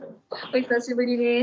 お久しぶりです。